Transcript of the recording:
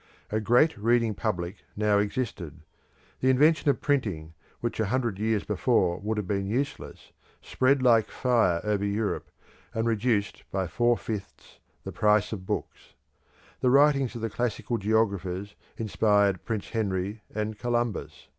A great reading public now existed; the invention of printing, which a hundred years before would have been useless, spread like fire over Europe, and reduced, by four fifths, the price of books. The writings of the classical geographers inspired Prince Henry and Columbus.